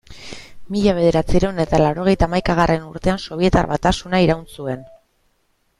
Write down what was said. Mila bederatziehun eta laurogeita hamaikagarren urtean Sobietar Batasuna iraun zuen.